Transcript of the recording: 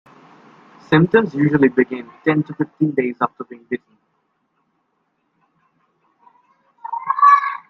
Symptoms usually begin ten to fifteen days after being bitten.